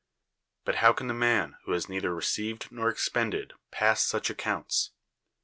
"But hoAV can the man who has neither received nor expended pass such accounts?"